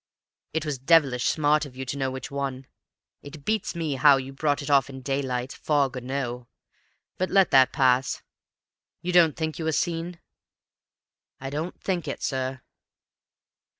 "It was devilish smart of you to know which one; it beats me how you brought it off in daylight, fog or no fog! But let that pass. You don't think you were seen?" "I don't think it, sir."